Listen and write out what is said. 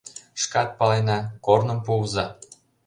Шкат палена: корным пуыза!